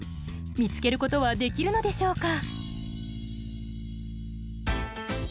見つけることはできるのでしょうか？